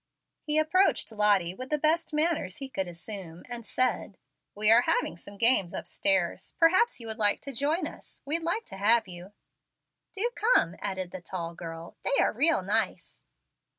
He approached Lottie with the best manners he could assume, and said, "We are having some games upstairs. Perhaps you would like to join us. We'd like to have you." "Do come," added the tall girl; "they are real nice."